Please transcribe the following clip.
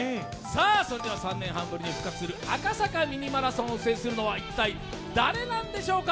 ３年半ぶりに復活する「赤坂ミニマラソン」を制するのは一体誰なんでしょうか。